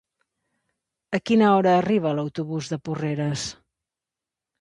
A quina hora arriba l'autobús de Porreres?